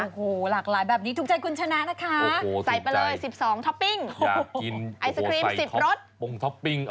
โอ้โหหลากหลายแบบนี้ถูกใจคุณชนะนะคะใส่ไปเลย๑๒ชนิดด้วยท็อปปิ้งไอศครีม๑๐รส